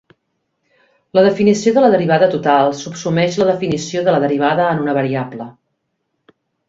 La definició de la derivada total subsumeix la definició de la derivada en una variable.